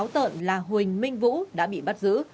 đối tượng táo tợn là huỳnh minh vũ đã bị bắt giữ